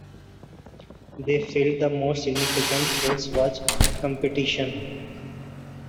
They felt the most significant force was competition.